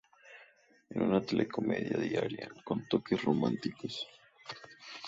Es una telecomedia diaria, con toques románticos.